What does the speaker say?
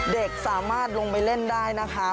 เด็กสามารถลงไปเล่นได้นะคะ